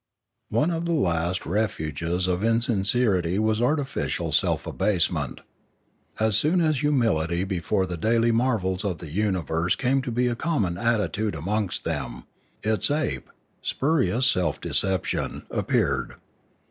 One of the last refuges of insincerity was artificial self abasement. As soon as humility before the daily marvels of the universe came to be a common attitude amongst them, its ape, spurious self depreciation, ap peared.